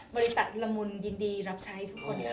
บริษัทละมุนยินดีรับใช้ทุกคนค่ะ